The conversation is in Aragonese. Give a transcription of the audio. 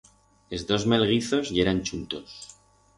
Es dos melguizos yeran chuntos.